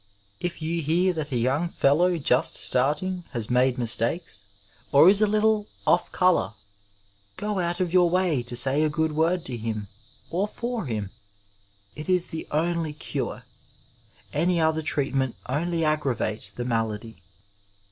If you hear that a young fellow just starting has made mistakes or is a little ''off colour," go out of your way tosayagoodwordtohim, orfor him. It is the only cure; any other treatment only aggravates the malady.